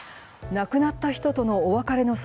亡くなった人とのお別れの際